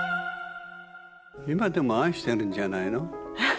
今でも愛してるんじゃないの？